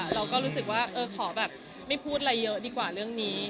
เราก็รู้สึกว่าเออขอแบบไม่พูดอะไรเยอะดีกว่าเรื่องนี้